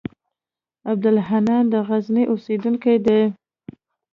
عبدالحنان د غزني اوسېدونکی دی.